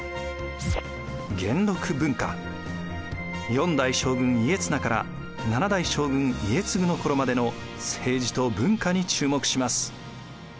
４代将軍・家綱から７代将軍・家継の頃までの政治と文化に注目します。